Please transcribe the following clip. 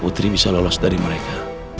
putri bisa lolos dari mereka